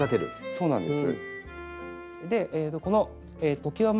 そうなんです。